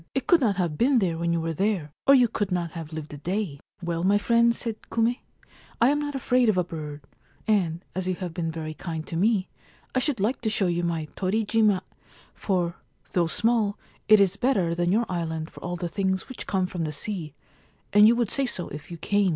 It could not have been there when you were, or you could not have lived a day/ { Well, my friends,' said Kume, * I am not afraid of a bird, and, as you have been very kind to me, I should like to show you my Torijima, for, though small, it is better than your island for all the things which come from the sea, and you would say so if you came.